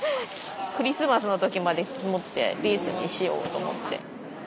クリスマスの時まで持ってリースにしようと思って。